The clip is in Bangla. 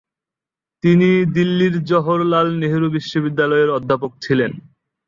তিনি দিল্লির জওহরলাল নেহেরু বিশ্ববিদ্যালয়ের অধ্যাপক ছিলেন।